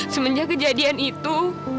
semenjak kejadian itu